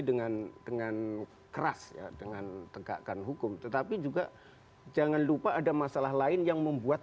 dengan dengan keras ya dengan tegakkan hukum tetapi juga jangan lupa ada masalah lain yang membuat